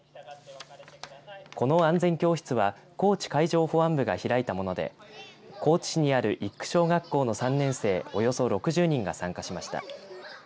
この安全教室は高知海上保安部が開いたもので高知市にある一宮小学校の３年生およそ６０人が参加しました。